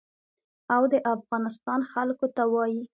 او د افغانستان خلکو ته وايي.